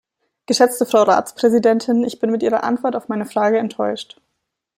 Geschätzte Frau Ratspräsidentin, ich bin mit Ihrer Antwort auf meine Frage enttäuscht.